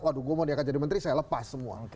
waduh gue mau dia akan jadi menteri saya lepas semua